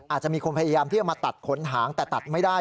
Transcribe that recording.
อาจจะมีคนพยายามที่จะมาตัดขนหางแต่ตัดไม่ได้